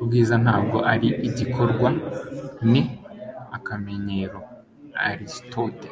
ubwiza ntabwo ari igikorwa, ni akamenyero. - aristote